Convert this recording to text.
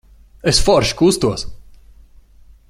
Es forši kustos.